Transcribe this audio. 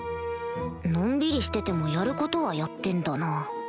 のんびりしててもやることはやってんだな